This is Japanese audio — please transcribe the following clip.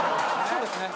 そうですね。